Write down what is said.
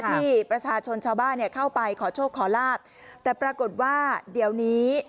ที่ประชาชนชาวบ้านเนี่ยเข้าไปขอโชคขอลาบแต่ปรากฏว่าเดี๋ยวนี้